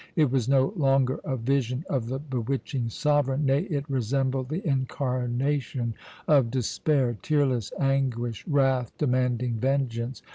It was no longer a vision of the bewitching sovereign nay, it resembled the incarnation of despair, tearless anguish, wrath demanding vengeance.